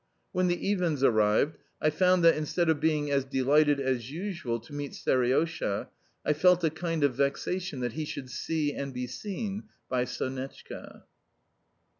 When the Iwins arrived I found that, instead of being as delighted as usual to meet Seriosha, I felt a kind of vexation that he should see and be seen by Sonetchka.